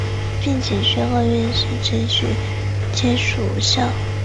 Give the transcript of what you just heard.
并且宣告越线之举皆属无效。